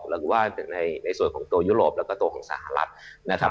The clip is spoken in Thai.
แล้วก็ในส่วนของตัวยุโรปแล้วก็ตัวของสหรัฐนะครับ